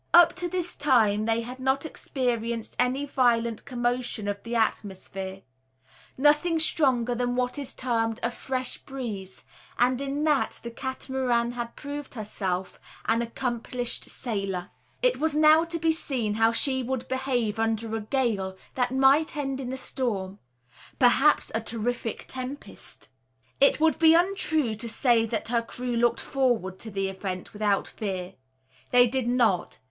Up to this time they had not experienced any violent commotion of the atmosphere, nothing stronger than what is termed a "fresh breeze," and in that the Catamaran had proved herself an accomplished sailer. It was now to be seen how she would behave under a gale that might end in a storm, perhaps a terrific tempest. It would be untrue to say that her crew looked forward to the event without fear. They did not.